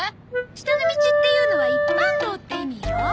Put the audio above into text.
下の道っていうのは一般道って意味よ。